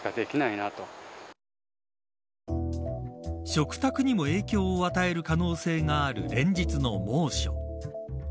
食卓にも影響を与える可能性がある連日の猛暑。